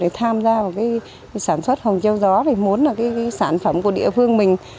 để tham gia vào cái sản xuất hồng treo gió thì muốn là cái sản phẩm của địa phương mình